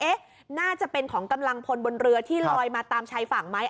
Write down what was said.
น่าจะเป็นของกำลังพลบนเรือที่ลอยมาตามชายฝั่งไหม